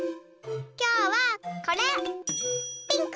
きょうはこれピンク！